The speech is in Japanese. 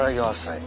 はい。